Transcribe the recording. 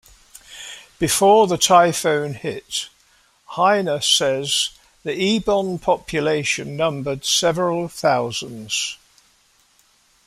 Before the typhoon hit, Heine says, the Ebon population numbered several thousands.